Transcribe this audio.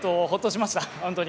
ほっとしました。